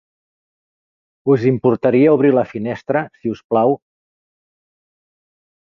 Us importaria obrir la finestra, si us plau?